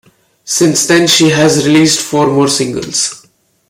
Since then she has released four more singles.